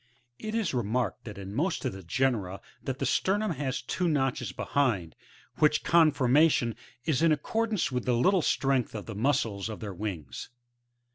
It is remarked that in most of the genera that the sternum has two notches behind, which conformation is in accordance with the little strength of the muscles of their wings.